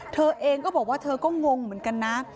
เธอเองก็บอกว่าเธอก็งงเหมือนกันนะ